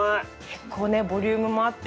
結構ねボリュームもあって。